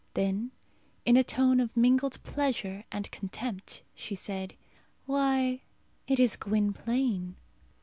Then, in a tone of mingled pleasure and contempt, she said, "Why, it is Gwynplaine!"